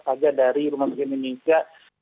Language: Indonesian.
saja dari rumah sakit indonesia